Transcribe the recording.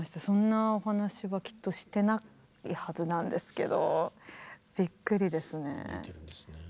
そんなお話はきっとしてないはずなんですけどびっくりですね。